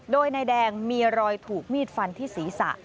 โดยนายแดงมีรอยถูกมีดฟันที่ศีรษะ